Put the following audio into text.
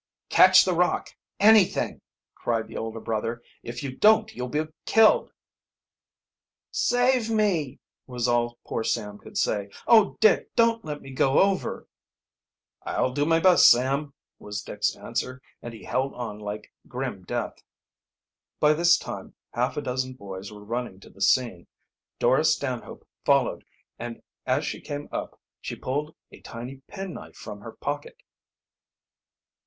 "Catch the rock anything!" cried the older brother. "If you don't you'll be killed!" "Save me!" was all poor Sam could say. "Oh, Dick, don't let me go over!" "I'll do my best, Sam," was Dick's answer, and he held on like grim death. By this time half a dozen boys were running to the scene. Dora Stanhope followed, and as she came up she pulled a tiny penknife from her pocket.